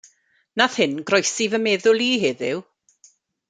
Nath hyn groesi fy meddwl i heddiw.